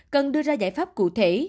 cần đưa ra giải pháp cụ thể